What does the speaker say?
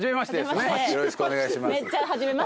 よろしくお願いします。